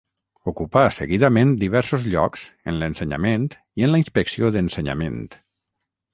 Ocupà seguidament diversos llocs en l'ensenyament i en la inspecció d'ensenyament.